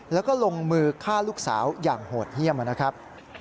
แล้วก็ลงมือฆ่าลูกสาวอย่างโหดเยี่ยมนะครับ